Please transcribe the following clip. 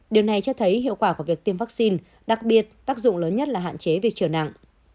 điều này cho thấy hiệu quả của việc tiêm vaccine đặc biệt tác dụng lớn nhất là hạn chế việc trở nặng